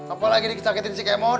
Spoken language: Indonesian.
apalagi disakitin si kemot